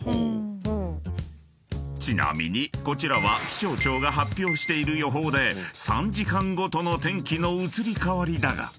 ［ちなみにこちらは気象庁が発表している予報で３時間ごとの天気の移り変わりだが］